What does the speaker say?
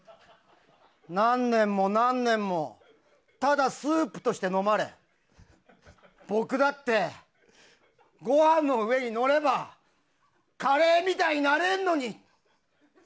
何年も何年もただスープとして飲まれ僕だって、ご飯の上にのればカレーみたいになれるのに！